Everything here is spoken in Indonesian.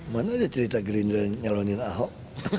mana ada cerita girindra nyelonin ahok